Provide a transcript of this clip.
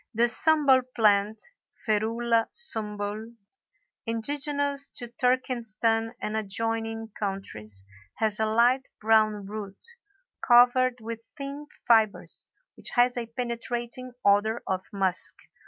The Sumbul plant (Ferula Sumbul), indigenous to Turkestan and adjoining countries, has a light brown root covered with thin fibres, which has a penetrating odor of musk.